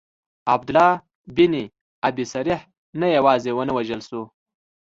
عبدالله بن ابی سرح نه یوازي ونه وژل سو.